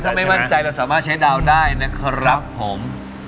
ถ้าไม่มั่นใจเราสามารถใช้ดาวได้นะครับผม